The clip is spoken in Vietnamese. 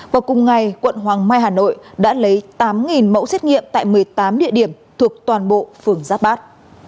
vào cùng ngày quận hoàng mai hà nội đã lấy tám mẫu xét nghiệm tại một mươi tám địa điểm thuộc toàn bộ phường giáp bát